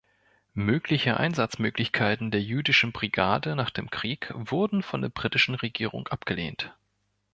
Mögliche Einsatzmöglichkeiten der jüdischen Brigade nach dem Krieg wurden von der britischen Regierung abgelehnt.